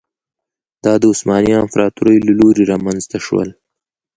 دا د عثماني امپراتورۍ له لوري رامنځته شول.